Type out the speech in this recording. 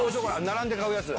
並んで買うやつ。